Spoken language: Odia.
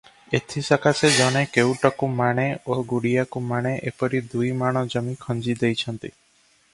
ଏଥିସକାଶେ ଜଣେ କେଉଟକୁ ମାଣେ ଓ ଗୁଡ଼ିଆକୁ ମାଣେ ଏପରି ଦୁଇ ମାଣ ଜମି ଖଞ୍ଜି ଦେଇଛନ୍ତି ।